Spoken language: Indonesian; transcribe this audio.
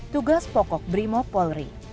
tugas pokok brimop polri